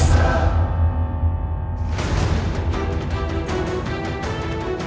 siapa yang akan menjadi